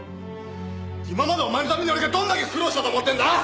今までお前のために俺がどんだけ苦労したと思ってんだ！